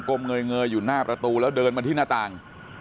มเงยอยู่หน้าประตูแล้วเดินมาที่หน้าต่าง